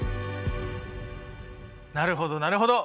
なるほどなるほど！